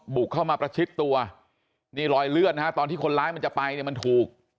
บุกเข้ามาประชิดตัวนี่รอยเลือดนะฮะตอนที่คนร้ายมันจะไปเนี่ยมันถูก